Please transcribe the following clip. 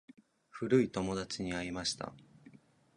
古い友達に会いました。